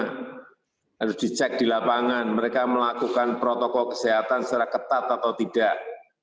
harus dicek di lapangan mereka melakukan protokol kesehatan secara ketat atau tidak